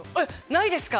ないですか？